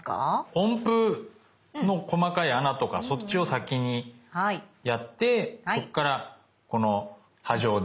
音符の細かい穴とかそっちを先にやってそっからこの波状で切っていく。